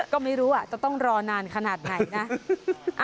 ก็ไม่รู้จะต้องรอนานขนาดไหนนะ